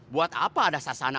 buat apa ada sasana